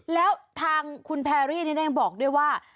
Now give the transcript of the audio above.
แล้วทางคุณแพรรี่ยังบอกด้วยว่า